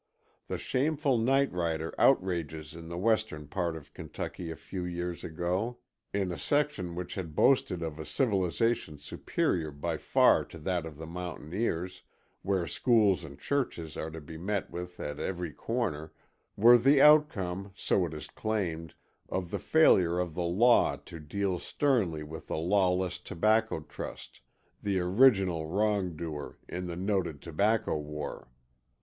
The shameful nightrider outrages in the western part of Kentucky a few years ago, in a section which had boasted of a civilization superior by far to that of the mountaineers, where schools and churches are to be met with at every corner, were the outcome, so it is claimed, of the failure of the law to deal sternly with the lawless tobacco trust, the "original wrongdoer" in the noted tobacco war.